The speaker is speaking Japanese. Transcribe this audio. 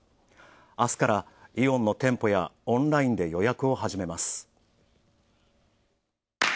あすからイオンの店舗やオンラインで予約を始めます。